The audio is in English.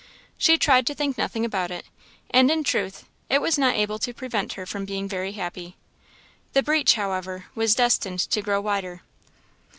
She tried to think nothing about it; and in truth it was not able to prevent her from being very happy. The breach, however, was destined to grow wider.